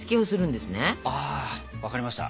分かりました。